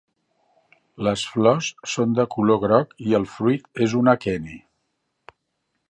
Les flors són de color groc i el fruit és un aqueni.